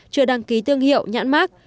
chưa đăng ký tương hiệu nhãn mát